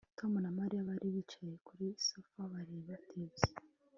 Tom na Mariya bari bicaye kuri sofa bareba televiziyo